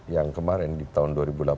yang kemarin di tahun dua ribu delapan belas